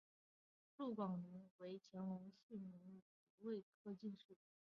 陆广霖为乾隆四年己未科进士。